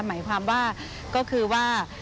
หมายความว่าก็คือว่า